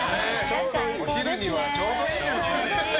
お昼にはちょうどいいですね。